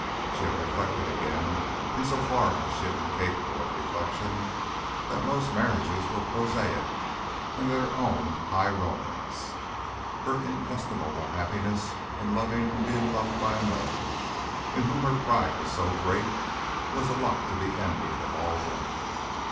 She had reflected again in so far as she had been capable of reflection that most marriages were prosaic, and that her own high romance, her inestimable happiness in loving and being loved by a man in whom her pride was so great, was a lot to be envied of all women.